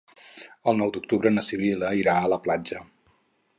El nou d'octubre na Sibil·la irà a la platja.